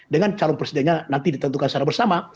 dengan calon presidennya nanti ditentukan secara bersama